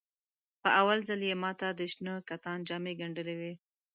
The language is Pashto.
په اول ځل یې ماته د شنه کتان جامې ګنډلې وې.